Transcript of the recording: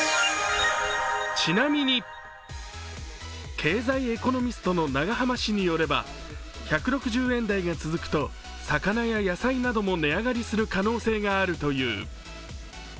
経済エコノミストの永濱氏によれば、１６０円台が続くと魚や野菜なども値上がりする可能性があるという。